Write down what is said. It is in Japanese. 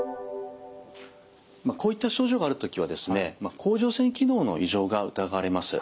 こういった症状がある時は甲状腺機能の異常が疑われます。